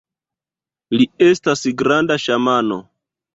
Li estas granda ŝamano!